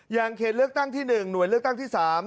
เขตเลือกตั้งที่๑หน่วยเลือกตั้งที่๓